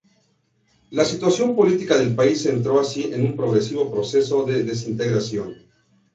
La situación política del país entró así en un progresivo proceso de desintegración.